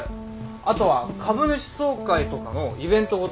あとは株主総会とかのイベント事の仕切り。